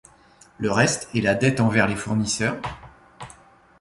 Le reste est la dette envers les fournisseurs.